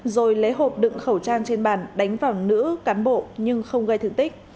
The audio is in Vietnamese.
rồi lấy hộp đựng khẩu trang trên bàn đánh vào nữ cán bộ nhưng không gây thương tích